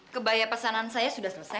kebaya pesanan saya sudah selesai